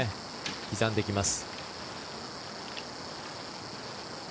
刻んできます。